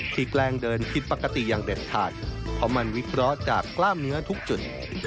แกล้งเดินผิดปกติอย่างเด็ดขาดเพราะมันวิเคราะห์จากกล้ามเนื้อทุกจุด